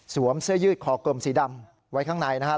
เสื้อยืดคอกลมสีดำไว้ข้างในนะครับ